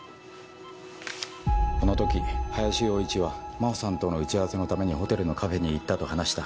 この時林洋一は真帆さんとの打ち合わせのためにホテルのカフェに行ったと話した。